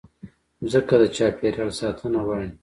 مځکه د چاپېریال ساتنه غواړي.